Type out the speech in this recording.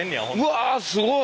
うわすごい！